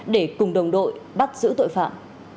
để cùng đồng đội bắt giữ tội phạm